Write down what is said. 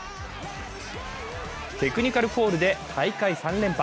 テクニカルフォールで大会３連覇。